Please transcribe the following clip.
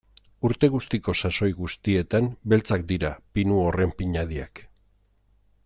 Urte guztiko sasoi guztietan beltzak dira pinu horren pinadiak.